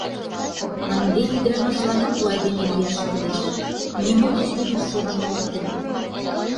Ынде ӱдырамашланат у айдеме лияш кӱлеш, нимо деч лӱдын шогымо ок кӱл.